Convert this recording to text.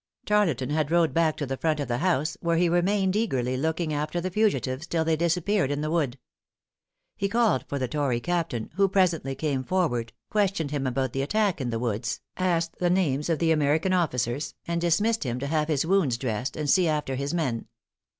Tarleton had rode back to the front of the house, where he remained eagerly looking after the fugitives till they disappeared in the wood. He called for the tory captain, who presently came forward, questioned him about the attack in the woods, asked the names of the American officers, and dismissed him to have his wounds dressed, and see after his men.